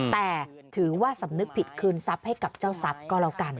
แต่ถือว่าสำนึกผิดคืนทรัพย์ให้กับเจ้าทรัพย์ก็แล้วกัน